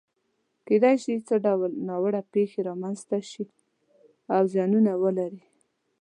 کېدای شي څه ډول ناوړه پېښې رامنځته شي او زیانونه ولري؟